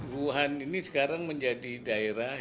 wuhan ini sekarang menjadi daerah